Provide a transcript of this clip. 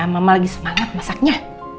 mama lagi semangat masaknya